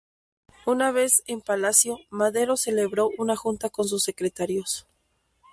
Una vez en Palacio, Madero celebró una junta con sus secretarios.